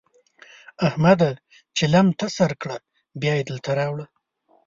احمده! چلم ته سر کړه؛ بيا يې دلته راوړه.